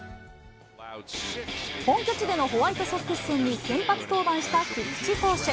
本拠地でのホワイトソックス戦に先発登板した菊池投手。